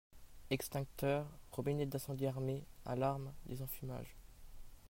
Extincteurs, Robinet d'Incendie Armé, Alarme, Désenfumage.